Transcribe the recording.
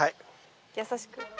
優しく。